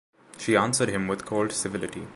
She answered him with cold civility.